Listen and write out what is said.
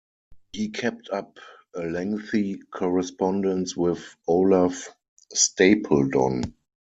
He kept up a lengthy correspondence with Olaf Stapledon.